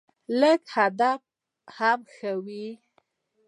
لږ ادب هم ښه وي